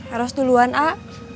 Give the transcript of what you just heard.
eros duluan ah